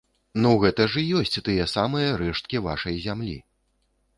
Ну, гэта ж і ёсць тыя самыя рэшткі вашай зямлі.